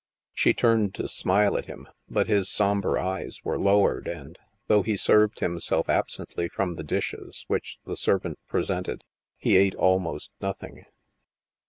She turned to smile at him, but his somber eyes were lowered and, though he served himself absently from the dishes which the servant presented, he ate al most nothing.